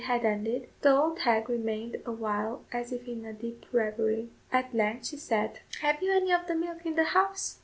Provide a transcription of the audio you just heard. had ended, the old hag remained a while as if in a deep reverie: at length she said "Have you any of the milk in the house?"